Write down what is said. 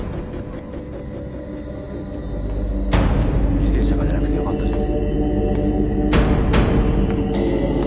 犠牲者が出なくてよかったです。